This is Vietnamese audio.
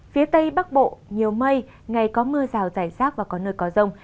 phía tây bắc bộ nhiều mây ngày có mưa rào rải rác và có nơi có rông